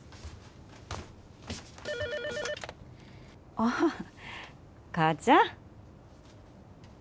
☎ああ母ちゃん。